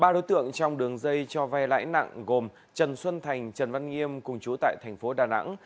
ba đối tượng trong đường dây cho vay lãi nặng gồm trần xuân thành trần văn nghiêm cùng chú tại thành phố đà nẵng